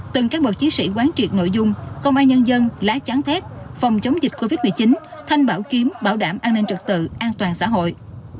từng các bộ chí sĩ quán truyệt nội dung công an nhân dân lá chán thét phòng chống dịch covid một mươi chín thanh bảo kiếm bảo đảm an ninh trật tự an toàn xã hội